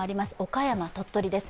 岡山、鳥取です。